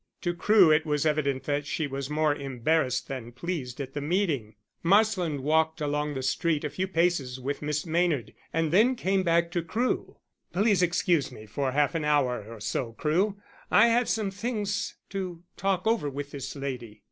To Crewe it was evident that she was more embarrassed than pleased at the meeting. Marsland walked along the street a few paces with Miss Maynard and then came back to Crewe. "Please excuse me for half an hour or so, Crewe. I have some things to talk over with this lady."